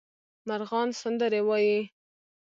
مرغان سندرې وايي